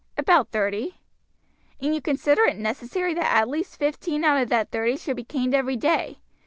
"About thirty." "And you consider it necessary that at least fifteen out of that thirty should be caned every day.